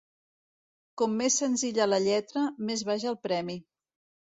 Com més senzilla la lletra, més baix el premi.